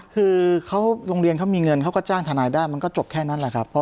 คือโรงเรียนเขามีเงินเขาก็จ้างทนายได้มันก็จบแค่นั้นแหละครับ